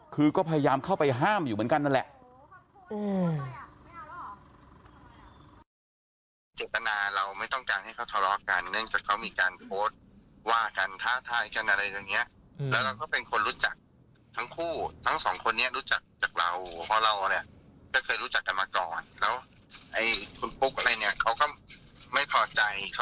คือก็พยายามเข้าไปห้ามอยู่เหมือนกันนั่นแหละ